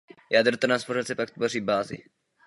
Jádro transformace pak tvoří bázi.